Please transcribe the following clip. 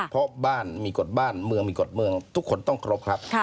เพราะบ้านมีกฎบ้านเมืองมีกฎเมืองทุกคนต้องครบครับ